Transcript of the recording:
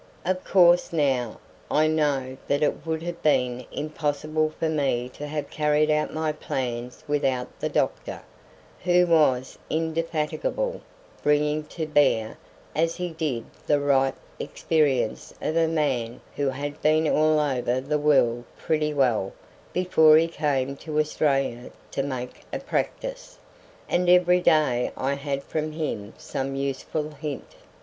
Of course now I know that it would have been impossible for me to have carried out my plans without the doctor, who was indefatigable, bringing to bear as he did the ripe experience of a man who had been all over the world pretty well before he came to Australia to make a practice; and every day I had from him some useful hint.